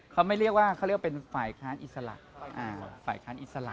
เขาไม่เรียกว่าเขาเรียกว่าเป็นฝ่ายคลาสอิสระ